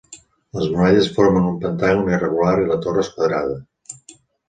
Les muralles formen un pentàgon irregular i la torre és quadrada.